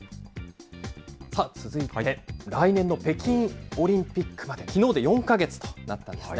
続いて、来年の北京オリンピックまで、きのうで４か月となったんですね。